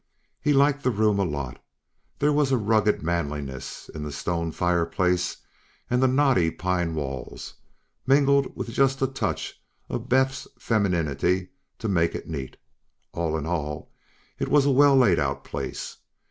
He liked the room a lot; there was a rugged manliness in the stone fireplace and the knotty pine walls, mingled with just a touch of Beth's femininity to make it neat. All in all, it was a well laid out place.